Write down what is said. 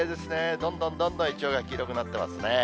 どんどんどんどんイチョウが黄色くなってますね。